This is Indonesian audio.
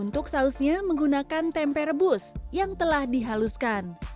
untuk sausnya menggunakin temper rebus yang telah di haluskan